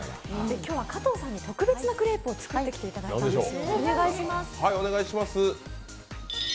今日は加藤さんに特別なクレープを作ってきていただいたんですよ。